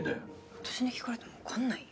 私に聞かれてもわかんないよ。